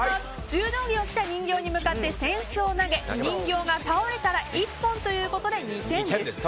柔道着を着た人形に向かって扇子を投げ人形が倒れたら一本ということで２点です。